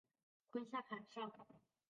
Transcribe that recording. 坤下坎上。